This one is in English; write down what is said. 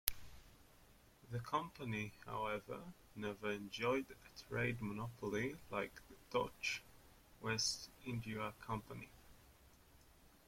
The company, however, never enjoyed a trade monopoly like the Dutch West India Company.